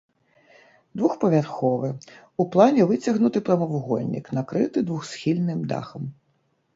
Двухпавярховы, у плане выцягнуты прамавугольнік, накрыты двухсхільным дахам.